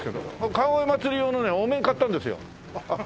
川越まつり用のねお面買ったんですよ。